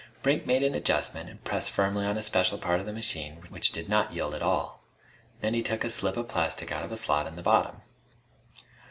Brink made an adjustment and pressed firmly on a special part of the machine, which did not yield at all. Then he took a slip of plastic out of a slot in the bottom.